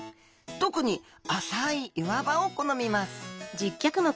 特に浅い岩場を好みます。